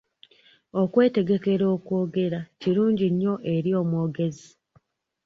Okwetegekera okwogera kirungi nnyo eri omwogezi.